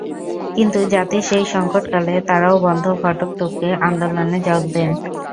কিন্তু জাতির সেই সংকটকালে তাঁরাও বন্ধ ফটক টপকে আন্দোলনে যোগ দেন।